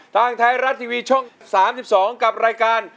ทางไทยรัฐทีวีช่อง๓๒กับรายการ